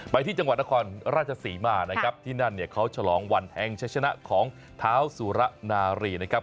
ไปที่จังหวัดนครราชศรีมานะครับที่นั่นเนี่ยเขาฉลองวันแห่งชะชนะของเท้าสุระนารีนะครับ